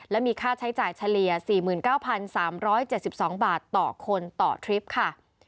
และมีค่าใช้จ่ายเฉลี่ย๔๙๓๗๒บาทต่อคนต่อทริปค่ะ